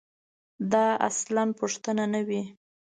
دا اصلاً پوښتنه نه وي.